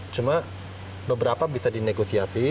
cuma beberapa bisa dinegosiasi